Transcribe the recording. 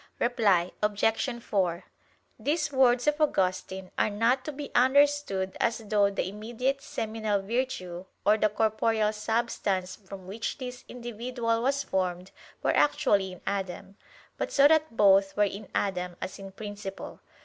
Reply Obj. 4: These words of Augustine are not to be understood as though the immediate seminal virtue, or the corporeal substance from which this individual was formed were actually in Adam: but so that both were in Adam as in principle.